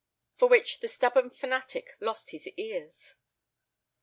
for which the stubborn fanatic lost his ears.